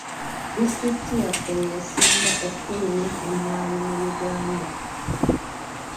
Disitulikiti yaffe y'esinga okufulumya emmwanyi mu Uganda.